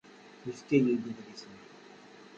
Yefka-yi-d adlis-nni.